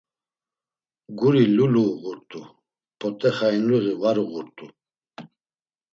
Guri lulu uğurt̆u; p̌ot̆e xayinluği var uğurt̆u.